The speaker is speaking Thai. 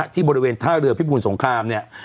ที่บริเวณท่าเรือพิบูรสงครามเนี่ย